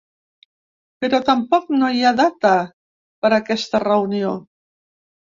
Però tampoc no hi ha data per aquesta reunió.